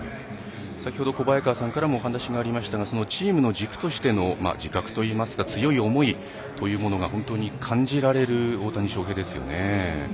先ほど小早川さんからもお話がありましたがチームの軸としての自覚といいますか、強い思いが本当に感じられる大谷翔平ですね。